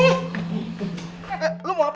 eh lu mau apa